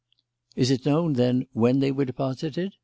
"Is it known, then, when they were deposited?"